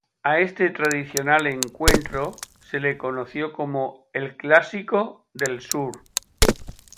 A este tradicional encuentro se le conoció como "El Clásico del Sur".